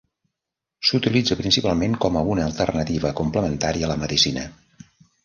S'utilitza principalment com a una alternativa complementària a la medicina.